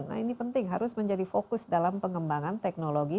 nah ini penting harus menjadi fokus dalam pengembangan teknologi